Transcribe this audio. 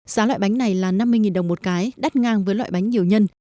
giá loại bánh này là năm mươi đồng một cái đắt ngang với loại bánh nhiều nhân